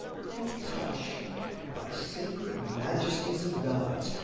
For touch by sacred majesties of Gods!